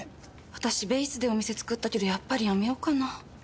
私、ベイスでお店作ったけど、やっぱりやめようかな。